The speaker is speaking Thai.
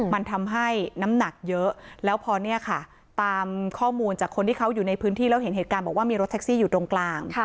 มันทำให้น้ำหนักเยอะแล้วพอเนี่ยค่ะตามข้อมูลจากคนที่เขาอยู่ในพื้นที่แล้วเห็นเหตุการณ์บอกว่ามีรถแท็กซี่อยู่ตรงกลาง